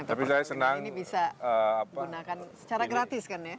tapi saya senang ini bisa gunakan secara gratis kan ya